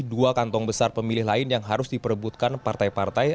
dua kantong besar pemilih lain yang harus diperebutkan partai partai